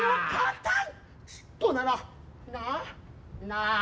なあ。